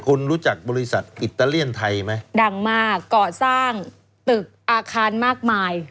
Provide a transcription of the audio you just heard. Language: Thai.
คุณรู้จักบริษัทอิตาเลียนไทยไหมดังมากก่อสร้างตึกอาคารมากมาย